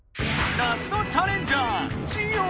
ラストチャレンジャー